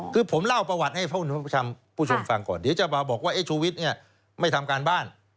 คือผมเล่าประวัติให้คุณผู้ชมฟังก่อนเดี๋ยวจะมาบอกว่าชูวิทย์ไม่ทำการบ้าน